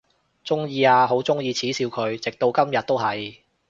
鍾意啊，好鍾意恥笑佢，直到今日都係！